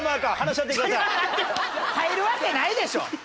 入るわけないでしょ！